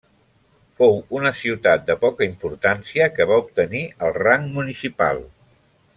Fou una ciutat de poca importància que va obtenir el rang municipal.